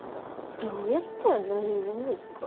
どうやったらなれるんですか？